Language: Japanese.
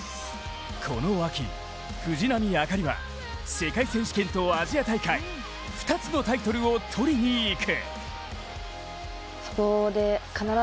この秋、藤波朱理は世界選手権とアジア大会２つのタイトルをとりに行く。